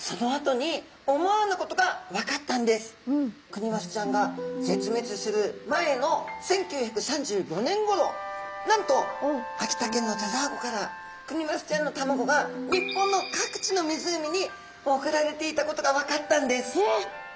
クニマスちゃんが絶滅する前の１９３５年ごろなんと秋田県の田沢湖からクニマスちゃんの卵が日本の各地の湖に送られていたことが分かったんです。